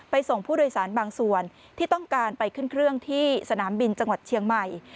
ส่งผู้โดยสารบางส่วนที่ต้องการไปขึ้นเครื่องที่สนามบินจังหวัดเชียงใหม่